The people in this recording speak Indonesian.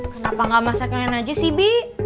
kenapa nggak masakin aja sih bi